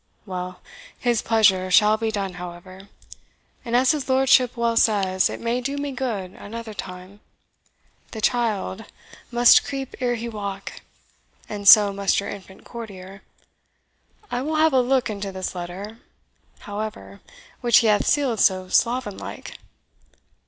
Well, his pleasure shall be done, however; and as his lordship well says, it may do me good another time. The child must creep ere he walk, and so must your infant courtier. I will have a look into this letter, however, which he hath sealed so sloven like."